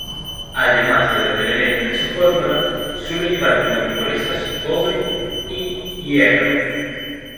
Además de los elementos de su fórmula, suele llevar como impurezas: cobre y hierro.